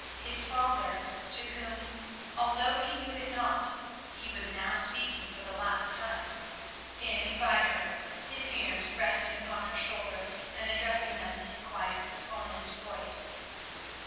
His father, to whom, although he knew it not, he was now speaking for the last time, standing by her, his hand resting upon her shoulder and addressing them in his quiet, honest voice.